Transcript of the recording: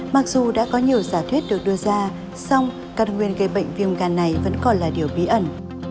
mặc dù đã có nhiều giả thuyết được đưa ra song căn nguyên gây bệnh viêm gan này vẫn còn là điều bí ẩn